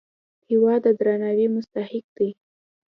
هېواد د درناوي مستحق دی.